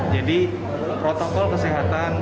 jadi protokol kesehatan